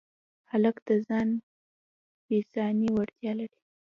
هلک د ځان بساینې وړتیا لري.